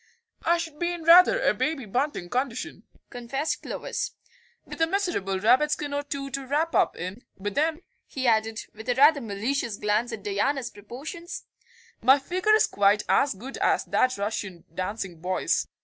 "I should be in rather a Baby Bunting condition," confessed Clovis, "with a miserable rabbit skin or two to wrap up in, but then," he added, with a rather malicious glance at Diana's proportions, "my figure is quite as good as that Russian dancing boy's."